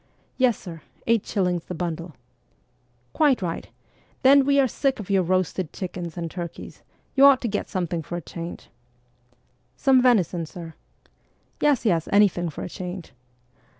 ' Yes, sir ; eight shillings the bundle.' ' Quite right ! Then, we are sick of your roasted CHILDHOOD 37 chickens and turkeys ; you ought to get something for a change.' ' Some venison, sir ?'' Yes, yes, anything for a change.'